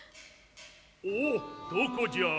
おおどこじゃ？